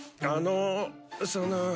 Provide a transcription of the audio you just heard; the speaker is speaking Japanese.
あのその。